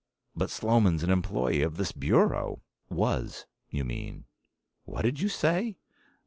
"But Sloman's an employee of this Bureau." "Was, you mean." "What did you say?"